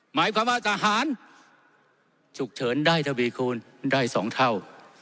หมายความว่าทหารฉุกเฉินได้ทวีคูณได้๒เท่า